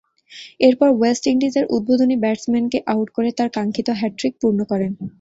এরপর ওয়েস্ট ইন্ডিজের উদ্বোধনী ব্যাটসম্যানকে আউট করে তার কাঙ্ক্ষিত হ্যাট্রিক পূর্ণ করেন।